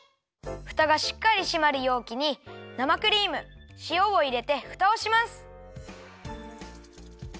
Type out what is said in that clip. フタがしっかりしまるようきに生クリームしおをいれてフタをします。